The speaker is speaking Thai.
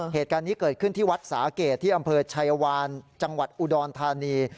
เหตุการณ์นี้เกิดขึ้นที่วัดสาเกตที่อำเภอชัยวานจังหวัดอุดรธานี